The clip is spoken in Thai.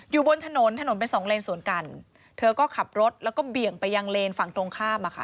อยู่บนถนนถนนเป็นสองเลนสวนกันเธอก็ขับรถแล้วก็เบี่ยงไปยังเลนฝั่งตรงข้ามอ่ะค่ะ